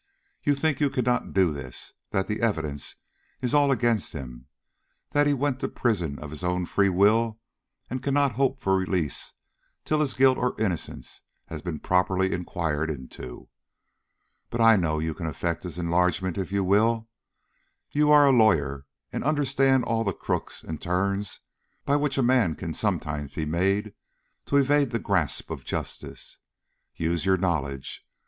You think you cannot do this; that the evidence is all against him; that he went to prison of his own free will and cannot hope for release till his guilt or innocence has been properly inquired into. But I know you can effect his enlargement if you will. You are a lawyer, and understand all the crooks and turns by which a man can sometimes be made to evade the grasp of justice. Use your knowledge.